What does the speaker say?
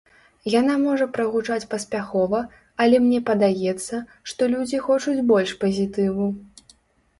Яна можа прагучаць паспяхова, але мне падаецца, што людзі хочуць больш пазітыву.